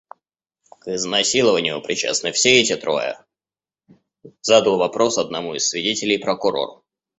«К изнасилованию причастны все эти трое?» — задал вопрос одному из свидетелей прокурор.